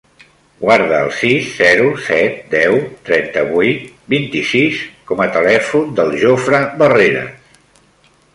Guarda el sis, zero, set, deu, trenta-vuit, vint-i-sis com a telèfon del Jofre Barreras.